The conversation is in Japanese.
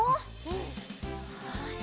よし！